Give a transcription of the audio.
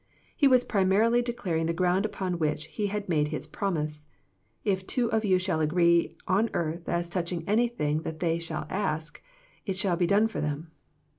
He was primarily declaring the ground upon which He had made His promise " If two of you shall agree on earth as touching anything that they shall ask, it shall be done for them."